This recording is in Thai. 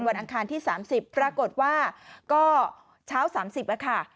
อังคารที่๓๐ปรากฏว่าก็เช้า๓๐ค่ะ